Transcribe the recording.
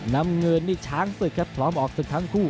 น้ำเงินนี่ช้างศึกครับพร้อมออกศึกทั้งคู่